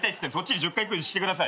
１０回クイズしてください。